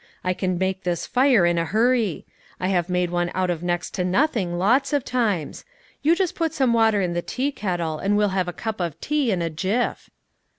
I can make this fire in a hurry. I have made one out of next to nothing, lots of times; you just put some water in the tea kettle, and we'll have a cup of tea in a jiff."